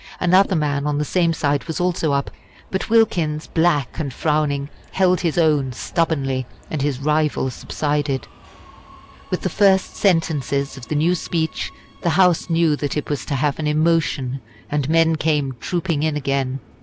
Another man on the same side was also up, but Wilkins, black and frowning, held his own stubbornly, and his rival subsided. With the first sentences of the new speech the House knew that it was to have an emotion, and men came trooping in again.